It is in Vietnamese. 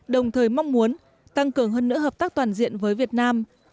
đồng thời mong muốn tăng cường hơn nữa hợp tác toàn diện với việt nam